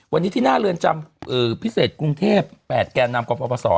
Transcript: วันนี้ที่หน้าเรือนจำพิเศษกรุงเทพ๘แก่นำกรปศ